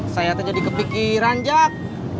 saya terjadi kepikiran jack